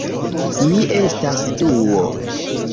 Mi estas Duo